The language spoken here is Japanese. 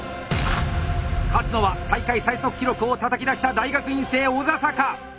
勝つのは大会最速記録をたたき出した大学院生小佐々か？